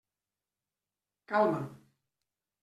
Calma.